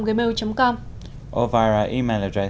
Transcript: hoặc địa chỉ email